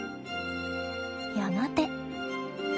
やがて。